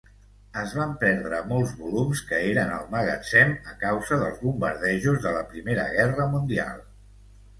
Es van perdre molt volums que eren al magatzem a causa dels bombardejos de la Primera Guerra Mundial.